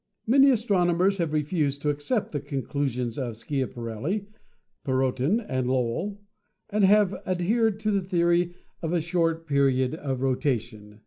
Many astronomers have refused to accept the conclu sions of Schiaparelli, Perrotin and Lowell, and have ad hered to the theory of a short period of rotation.